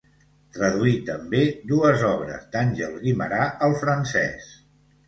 Traduí també dues obres d'Àngel Guimerà al francès.